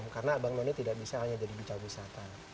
karena abang none tidak bisa hanya jadi bucawawisata